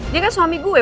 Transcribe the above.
dia kan suami gue